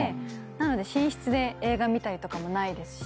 なので寝室で映画見たりとかもないですし。